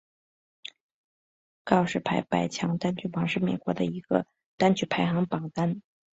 告示牌百强单曲榜是美国的一个单曲排行榜单。